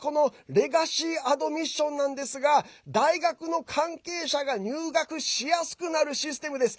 レガシーアドミッションなんですが大学の関係者が入学しやすくなるシステムです。